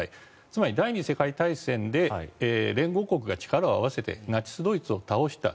つまり、第２次世界大戦で連合国が力を合わせてナチス・ドイツを倒した。